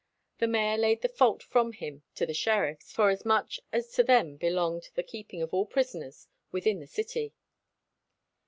The mayor laid the fault from him to the sheriffs, forasmuch as to them belonged the keeping of all prisoners within the city.